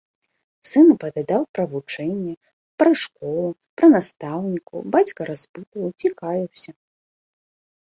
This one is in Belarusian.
Сын апавядаў пра вучэнне, пра школу, пра настаўнікаў, бацька распытваў, цікавіўся.